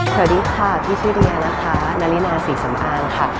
สวัสดีค่ะพี่ชื่อเดียนะคะนารินาศรีสำอางค่ะ